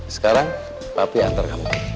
sekarang papi antar kamu